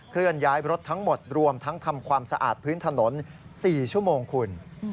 เลื่อนย้ายรถทั้งหมดรวมทั้งทำความสะอาดพื้นถนน๔ชั่วโมงคุณ